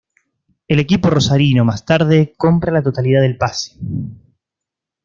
El equipo rosarino, más tarde, compra la totalidad del pase.